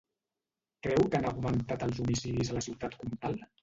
Creu que han augmentat els homicidis a la ciutat comtal?